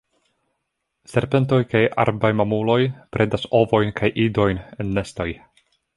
Serpentoj kaj arbaj mamuloj predas ovojn kaj idojn en nestoj.